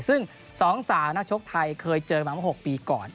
สองสาวนักชกไทยเคยเจอกันมา๖ปีก่อน